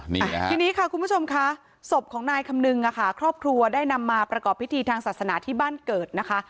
นี่ทีนี้ค่ะคุณผู้ชมค่ะศพของนายคำนึงอะค่ะครอบครัวได้นำมาประกอบพิธีทางศาสนาที่บ้านเกิดนะคะ